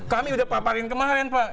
kami udah paparin kemarin pak